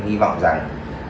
hy vọng rằng